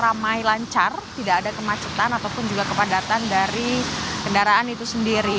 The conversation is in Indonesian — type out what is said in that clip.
ramai lancar tidak ada kemacetan ataupun juga kepadatan dari kendaraan itu sendiri